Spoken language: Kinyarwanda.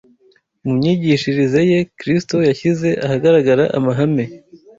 Mu myigishirize ye, Kristo yashyize ahagaragara amahame